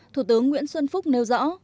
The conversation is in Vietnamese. thủ tướng nguyễn xuân phúc nêu rõ